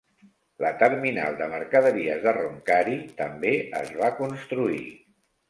La terminal de mercaderies de Roncari també es va construir.